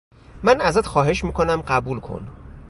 من ازت خواهش می کنم قبول کن